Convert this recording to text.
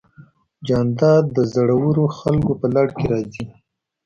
جانداد د زړورو خلکو په لړ کې راځي.